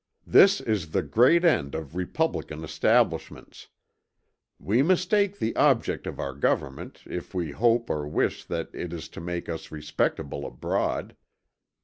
This is the great end of republican establishments. We mistake the object of our government, if we hope or wish that it is to make us respectable abroad.